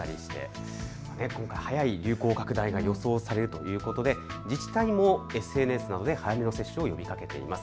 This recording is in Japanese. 今回、早い流行拡大が予想されるということで自治体もＳＮＳなどで早めの接種を呼びかけています。